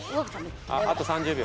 あと３０秒。